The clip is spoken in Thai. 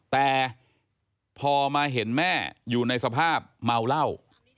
แต่พอมาเห็นแม่อยู่ในสภาพเมาเหล้า